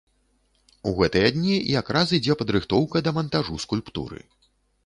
У гэтыя дні якраз ідзе падрыхтоўка да мантажу скульптуры.